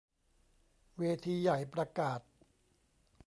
เวทีใหญ่ประกาศ